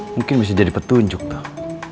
mungkin bisa jadi petunjuk kang